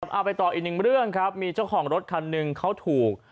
เอาไปต่ออีกหนึ่งเรื่องครับมีเจ้าของรถคันหนึ่งเขาถูก